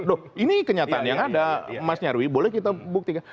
loh ini kenyataan yang ada mas nyarwi boleh kita buktikan